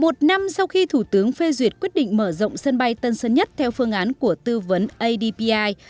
một năm sau khi thủ tướng phê duyệt quyết định mở rộng sân bay tân sơn nhất theo phương án của tư vấn adpi